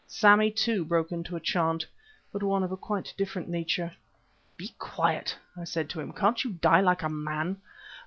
Sammy, too, broke into a chant, but one of quite a different nature. "Be quiet!" I said to him. "Can't you die like a man?"